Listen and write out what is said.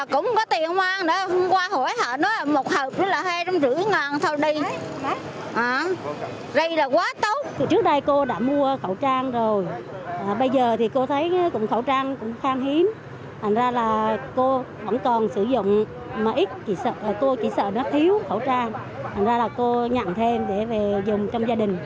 cô chỉ sợ nó thiếu khẩu trang thành ra là cô nhận thêm để về dùng trong gia đình